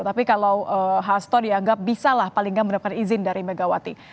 tapi kalau hasto dianggap bisa lah paling nggak mendapatkan izin dari megawati